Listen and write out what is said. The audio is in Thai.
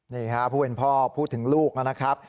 นี่ค่ะผู้เป็นพ่อพูดถึงลูกนะครับ